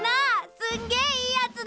すんげえいいやつだぜ！